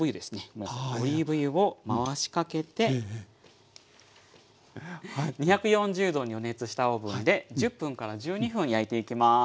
まずオリーブ油を回しかけて２４０℃に予熱したオーブンで１０分から１２分焼いていきます。